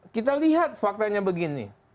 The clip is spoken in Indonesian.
kita lihat faktanya begini